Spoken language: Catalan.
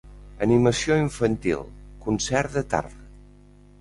Animació infantil, concert de tarda.